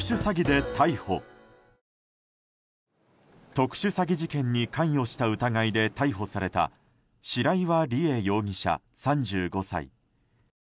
特殊詐欺事件に関与した疑いで逮捕された白岩理慧容疑者、３５歳。